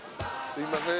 すいません。